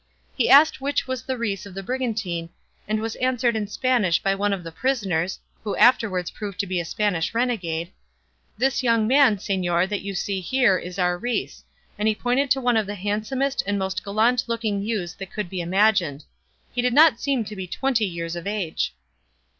He asked which was the rais of the brigantine, and was answered in Spanish by one of the prisoners (who afterwards proved to be a Spanish renegade), "This young man, señor, that you see here is our rais," and he pointed to one of the handsomest and most gallant looking youths that could be imagined. He did not seem to be twenty years of age.